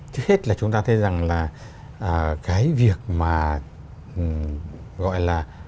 trước hết là chúng ta thấy rằng là cái việc mà gọi là